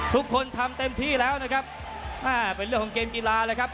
ทุกคนทำเต็มที่แล้วนะครับอ่าเป็นเรื่องของเกมกีฬาเลยครับ